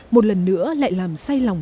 một lần nữa lại làm say lòng